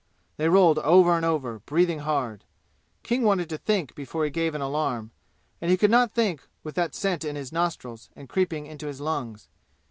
They rolled over and over, breathing hard. King wanted to think before he gave an alarm, and he could not think with that scent in his nostrils and creeping into his lungs.